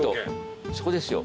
そこですよ。